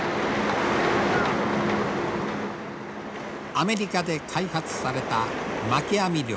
アメリカで開発されたまき網漁。